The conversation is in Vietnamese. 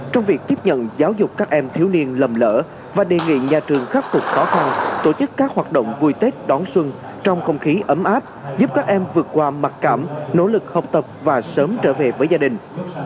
trong việc tiếp nhận giáo dục các em thiếu niên lầm lỡ và đề nghị nhà trường khắc phục khó khăn tổ chức các hoạt động vui tết đón xuân trong không khí ấm áp giúp các em vượt qua mặc cảm nỗ lực học tập và sớm trở về với gia đình